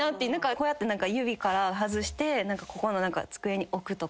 こうやって指から外してここの机に置くとか。